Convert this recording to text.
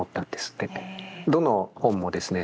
どの本もですね